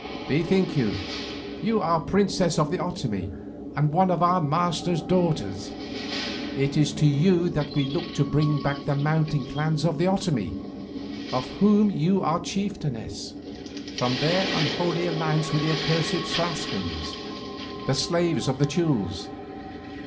"Bethink you, you are princess of the Otomie and one of our master's daughters, it is to you that we look to bring back the mountain clans of the Otomie, of whom you are chieftainess, from their unholy alliance with the accursed Tlascalans, the slaves of the Teules.